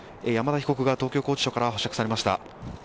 山田被告が東京拘置所から保釈されました。